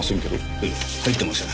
ええ入ってません。